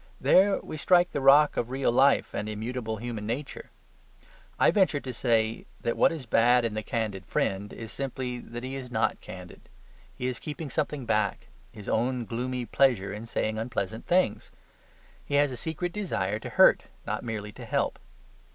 There we strike the rock of real life and immutable human nature. I venture to say that what is bad in the candid friend is simply that he is not candid. He is keeping something back his own gloomy pleasure in saying unpleasant things. He has a secret desire to hurt, not merely to help.